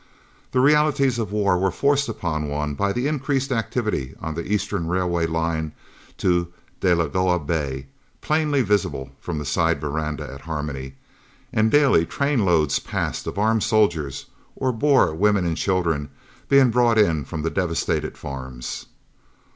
The realities of war were forced upon one by the increased activity on the Eastern Railway line to Delagoa Bay, plainly visible from the side verandah at Harmony, and, daily, train loads passed of armed soldiers, or Boer women and children being brought in from the devastated farms.